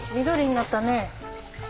緑になったね。